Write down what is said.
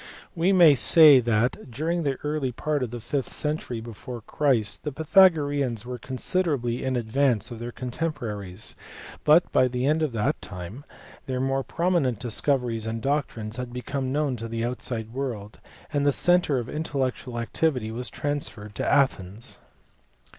We may say that during the early part of the fifth century before Christ the Pythagoreans were considerably in advance of their contem poraries, but by the end of that time their more prominent discoveries and doctrines had become known to the outside world, and the centre of intellectual activity was transferred to Athens.